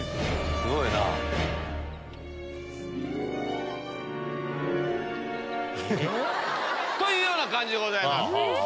すごいなぁ。というような感じでございます。